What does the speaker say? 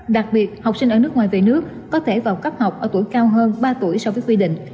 đặc biệt học sinh ở nước ngoài về nước có thể vào cấp học ở tuổi cao hơn ba tuổi so với quy định